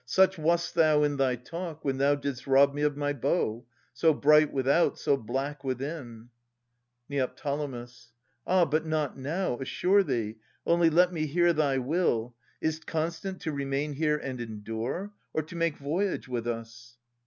Such wast thou in thy talk. When thou didst rob me of my bow, — so bright Without, so black within. Neo. Ah, but not now. Assure thee! Only let me hear thy will, Is't constant to remain here and endure, Or to make voyage with us?